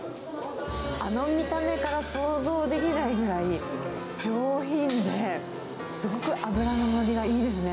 あの見た目から想像できないぐらい上品で、すごく脂の乗りがいいですね。